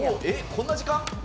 えっこんな時間？